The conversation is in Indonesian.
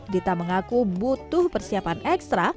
dita mengaku butuh persiapan ekstra